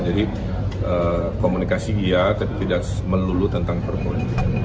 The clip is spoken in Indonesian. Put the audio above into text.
jadi komunikasi iya tapi tidak melulu tentang perpuluhan